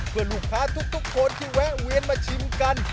เพื่อลูกค้าทุกคนที่แวะเวียนมาชิมกัน